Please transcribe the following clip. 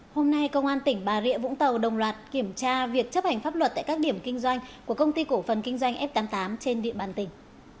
hôm nay công an tỉnh bà rịa vũng tàu đồng loạt kiểm tra việc chấp hành pháp luật tại các điểm kinh doanh của công ty cổ phần kinh doanh f tám mươi tám trên địa bàn tỉnh